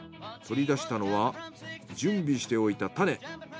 取り出したのは準備しておいたタネ。